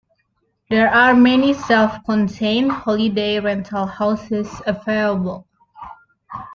There are many self-contained holiday rental houses available.